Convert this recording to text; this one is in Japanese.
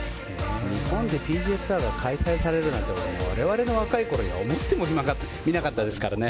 日本でＰＧＡツアーが開催されるなんて我々の若い頃なんて思ってもみなかったですからね。